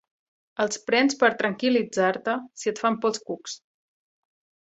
Els prens per tranquil·litzar-te si et fan por els cucs.